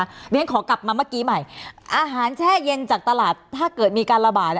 เพราะฉะนั้นขอกลับมาเมื่อกี้ใหม่อาหารแช่เย็นจากตลาดถ้าเกิดมีการระบาด